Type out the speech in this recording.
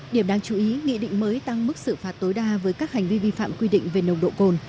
điểm đáng chú ý nghị định mới tăng mức xử phạt tối đa với các hành vi vi phạm quy định về nồng độ cồn